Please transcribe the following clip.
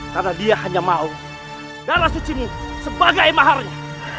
karena dia hanya mau darah suci mu sebagai maharnya